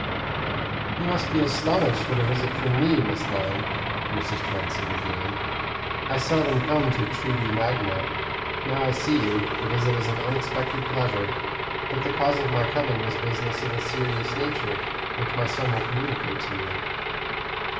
"You must be astonished at a visit from me, Miss Lyon," Mrs. Transome began; "I seldom come to Treby Magna. Now I see you, the visit is an unexpected pleasure; but the cause of my coming is business of a serious nature, which my son will communicate to you."